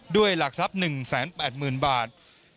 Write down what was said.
ด้วยหลักทรัพย์๑๘๐๐๐บาท